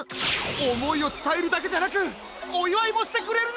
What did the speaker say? おもいをつたえるだけじゃなくおいわいもしてくれるなんて！